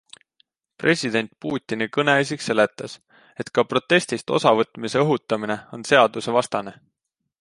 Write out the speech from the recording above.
President Putini kõneisik seletas, et ka protestist osa võtmise õhutamine on seadusevastane.